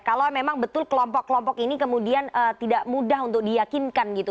kalau memang betul kelompok kelompok ini kemudian tidak mudah untuk diyakinkan gitu